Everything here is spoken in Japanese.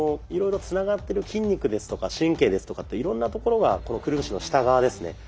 いろいろつながってる筋肉ですとか神経ですとかっていろんなところがこのくるぶしの下側ですね